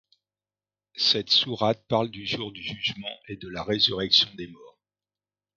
Cette sourate parle du jour du Jugement et de la résurrection des morts.